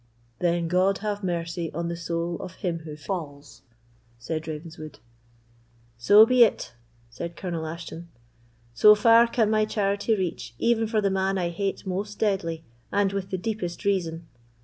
"Then God have mercy on the soul of him who falls!" said Ravenswood. "So be it!" said Colonel Ashton; "so far can my charity reach even for the man I hate most deadly, and with the deepest reason.